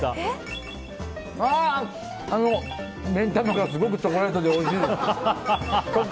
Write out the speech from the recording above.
目ん玉がすごくチョコレートでおいしい！